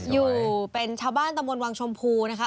อยู่เป็นชาวบ้านตะมนต์วังชมพูนะคะ